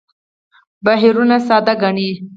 بهیرونه ساده ګڼي.